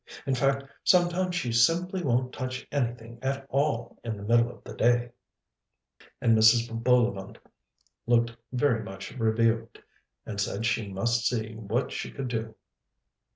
In fact, sometimes she simply won't touch anything at all in the middle of the day." And Mrs. Bullivant looked very much rebuked, and said that she must see what she could do.